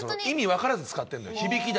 意味分からず使ってるのよ